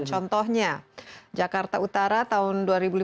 contohnya jakarta utara tahun dua ribu lima belas